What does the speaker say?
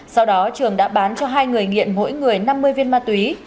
sau đó trường đã bán cho hai người nghiện mỗi người năm mươi viên ma túy